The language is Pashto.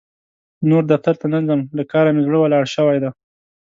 نور دفتر ته نه ځم؛ له کار مې زړه ولاړ شوی دی.